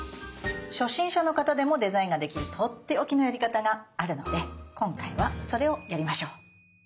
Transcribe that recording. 初心者の方でもデザインができるとっておきのやり方があるので今回はそれをやりましょう。